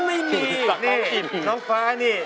นี่น้องฟ้านี่